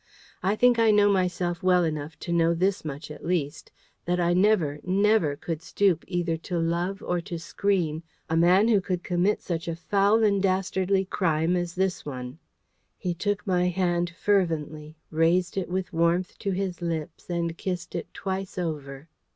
I think I know myself well enough to know this much at least, that I never, never could stoop either to love or to screen a man who could commit such a foul and dastardly crime as this one." He took my hand fervently, raised it with warmth to his lips and kissed it twice over.